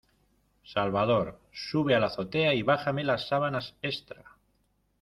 Salvador, ¡sube a la azotea y bájame las sábanas extra!